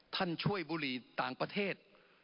ท่านช่วยบุรีต่างประเทศ